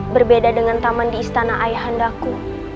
berbeda dengan taman di istana ayahandaku